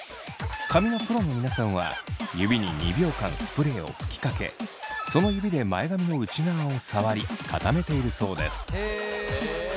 髪のプロの皆さんは指に２秒間スプレーを吹きかけその指で前髪の内側を触り固めているそうです。